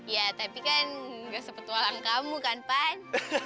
ya tapi kan nggak sepetualang kamu kan pan